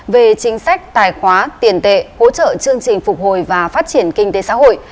về chính sách tài khóa tiền tệ hỗ trợ chương trình phục hồi và phát triển kinh tế xã hội